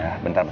aduh duh duh